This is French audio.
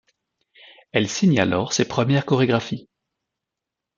Elle signe alors ses premières chorégraphies.